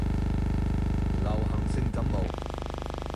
流行性感冒